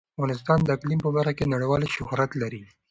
افغانستان د اقلیم په برخه کې نړیوال شهرت لري.